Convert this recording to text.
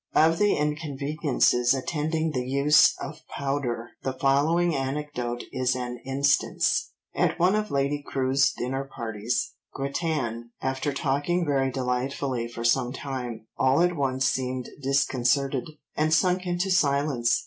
Of the inconveniences attending the use of powder the following anecdote is an instance— "At one of Lady Crewe's dinner parties, Grattan, after talking very delightfully for some time, all at once seemed disconcerted, and sunk into silence.